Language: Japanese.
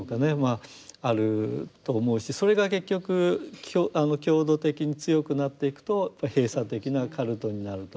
あると思うしそれが結局強度的に強くなっていくとやっぱり閉鎖的なカルトになると。